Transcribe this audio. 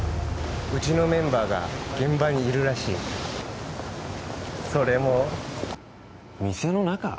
うちのメンバーが現場にいるらしいそれも店の中？